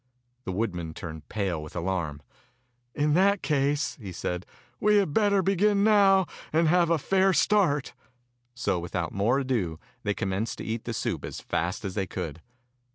The woodman turned pale with alarm. 'Tn that case," he said, "we had better be gin now and have a fair start." So, without more ado, they commenced to eat the soup as fast as they could.